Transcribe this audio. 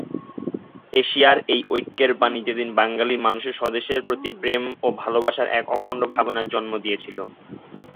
এশিয়ার এই ঐক্যের বাণী সেদিন বাঙালি মানসে স্বদেশের প্রতি প্রেম ও ভালোবাসার এক অখণ্ড ভাবনার জন্ম দিয়েছিলো।